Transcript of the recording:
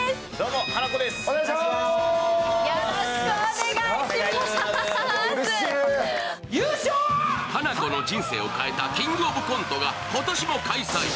ハナコの人生を変えた「キングオブコント」が今年も開催。